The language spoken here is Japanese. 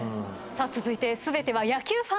続いて全ては野球ファンのために。